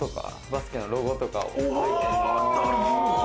バスケのロゴとかを。